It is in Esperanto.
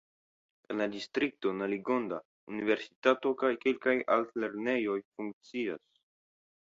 En la distrikto Naligonda universitato kaj kelkaj altlernejoj funkcias.